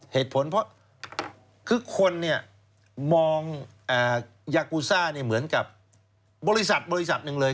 เหตุผลเพราะคือคนเนี่ยมองยากูซ่าเหมือนกับบริษัทบริษัทหนึ่งเลย